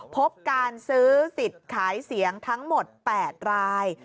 พบการซื้อสิทธิ์ขายเสียงทั้งหมด๘ราย